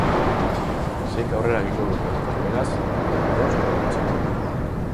Seik aurrera egingo dute, beraz, baina nor joango da etxera?